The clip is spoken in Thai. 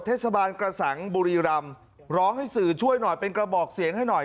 เทศบาลกระสังบุรีรำร้องให้สื่อช่วยหน่อยเป็นกระบอกเสียงให้หน่อย